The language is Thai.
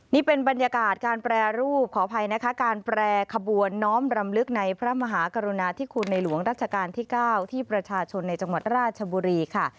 นี่เป็นบรรยากาศการแปรรูปขออภัยนะคะการแปรขบวนน้อมรำลึกในพระมหากรุณาธิคุณในหลวงรัชกาลที่๙ที่ประชาชนในจังหวัดราชบุรีค่ะ